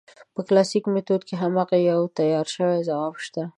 په کلاسیک میتود کې هماغه یو تیار شوی ځواب شته.